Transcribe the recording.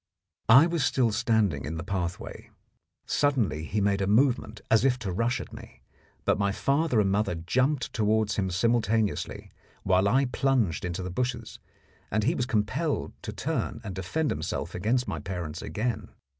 I was still standing in the pathway. Suddenly he made a movement as if to rush at me, but my father and mother jumped towards him simultaneously, while I plunged into the bushes, and he was compelled to turn and defend himself against my parents again.